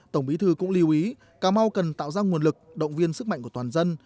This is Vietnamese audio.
tổng bí thư cũng lưu ý cà mau cần tạo ra nguồn lực động viên sức mạnh của toàn dân